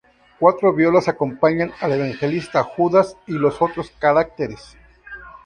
Cuatro violas acompañan al Evangelista, Judas y los otros caracteres.